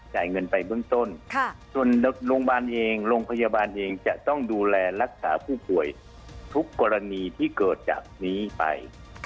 จ่ายเงินไปเบื้องต้นส่วนโรงพยาบาลเองโรงพยาบาลเองจะต้องดูแลรักษาผู้ป่วยทุกกรณีที่เกิดจากนี้ไป